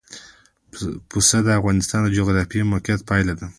پسه د افغانستان د جغرافیایي موقیعت پایله ده.